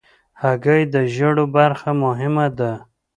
هګۍ د ژیړو برخه مهمه ده.